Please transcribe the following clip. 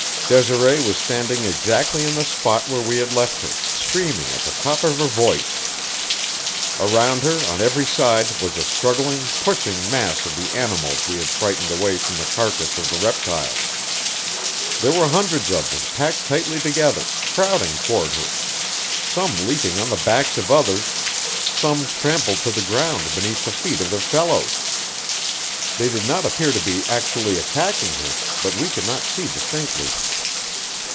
Desiree was standing exactly in the spot where we had left her, screaming at the top of her voice. Around her, on every side, was a struggling, pushing mass of the animals we had frightened away from the carcass of the reptile. There were hundreds of them packed tightly together, crowding toward her, some leaping on the backs of others, some trampled to the ground beneath the feet of their fellows. They did not appear to be actually attacking her, but we could not see distinctly.